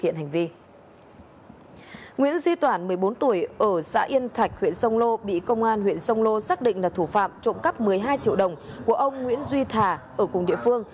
nguyễn duy toàn một mươi bốn tuổi ở xã yên thạch huyện sông lô bị công an huyện sông lô xác định là thủ phạm trộm cắp một mươi hai triệu đồng của một gia đình ở cùng địa phương